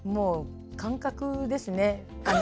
感覚ですね。